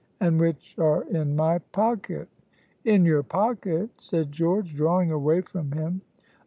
"And which are in my pocket." "In your pocket?" said George, drawing away from him.